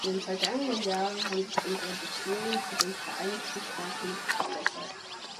In den vergangenen Jahren haben sich unsere Beziehungen zu den Vereinigten Staaten nicht gebessert.